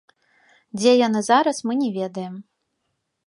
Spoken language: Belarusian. Дзе яны зараз, мы не ведаем.